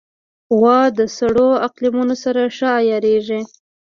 غوا د سړو اقلیمونو سره ښه عیارېږي.